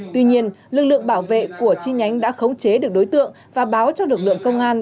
tuy nhiên lực lượng bảo vệ của chi nhánh đã khống chế được đối tượng và báo cho lực lượng công an